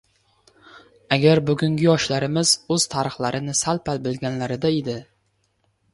— Agar bugungi yoshlarimiz o‘z tarixlarini sal-pal bilganlarida edi